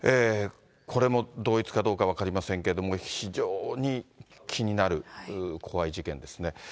これも同一かどうか分かりませんけれども、非常に気になる、怖い事件ですね。